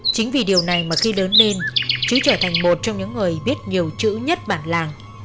chính vì điều này mà khi lớn lên chú trở thành một trong những người biết nhiều chữ nhất bản làng